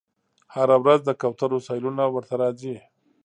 هره ورځ د کوترو سیلونه ورته راځي